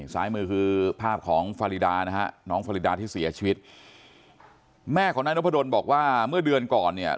ซ้ายมือคือภาพของฟารีดานะฮะน้องฟารีดาที่เสียชีวิตแม่ของนายนพดลบอกว่าเมื่อเดือนก่อนเนี่ย